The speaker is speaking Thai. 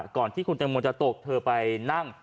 ก่อนที่คุณแตงโมจะตกเธอไปนั่ง